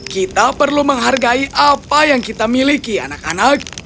kita perlu menghargai apa yang kita miliki anak anak